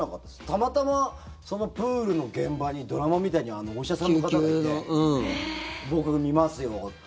たまたま、プールの現場にドラマみたいにお医者さんの方がいて僕、診ますよって。